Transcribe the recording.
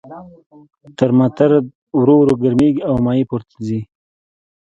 ترمامتر ورو ورو ګرمیږي او مایع پورته ځي.